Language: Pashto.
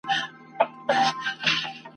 دا تخمونه زرغونیږي او لوییږي ..